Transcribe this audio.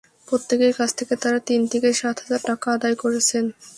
প্রত্যেকের কাছ থেকে তাঁরা তিন থেকে সাত হাজার টাকা আদায় করেছেন।